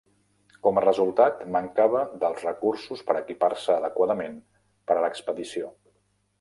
Com a resultat, mancava dels recursos per a equipar-se adequadament per a l'expedició.